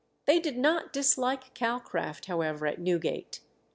They did not dislike Calcraft, however, at Newgate.